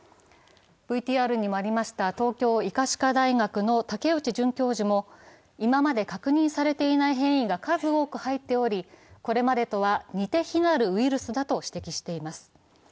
ＶＴＲにもありました東京医科歯科大学の武内准教授も今まで確認されていない変異が数多く入っており、これまでとは似て非なるウイルスだと指摘しています。